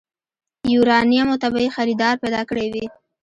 يوارنيمو ته به يې خريدار پيدا کړی وي.